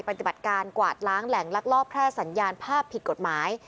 ปฏิบัติการกวาดล้างแหล่งลักลอบแพร่สัญญาณภาพผิดกฎหมาย